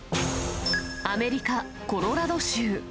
アメリカ・コロラド州。